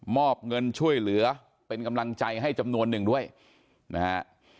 อบเงินช่วยเหลือเป็นกำลังใจให้จำนวนหนึ่งด้วยนะฮะ